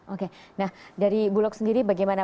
oke nah dari bulog sendiri bagaimana